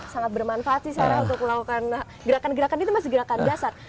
sangat bermanfaat sih saya untuk melakukan gerakan gerakan itu masih gerakan dasar